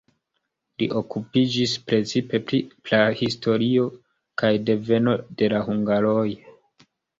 Li okupiĝis precipe pri prahistorio kaj deveno de la hungaroj.